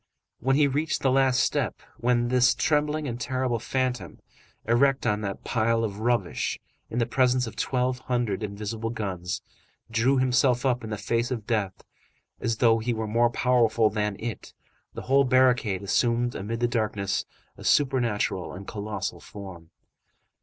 When he had reached the last step, when this trembling and terrible phantom, erect on that pile of rubbish in the presence of twelve hundred invisible guns, drew himself up in the face of death and as though he were more powerful than it, the whole barricade assumed amid the darkness, a supernatural and colossal form.